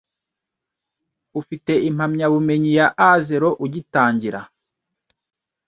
ufite impamyabumenyi ya Azero ugitangira